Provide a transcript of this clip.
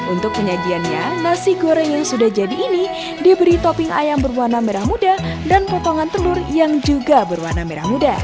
untuk penyajiannya nasi goreng yang sudah jadi ini diberi topping ayam berwarna merah muda dan potongan telur yang juga berwarna merah muda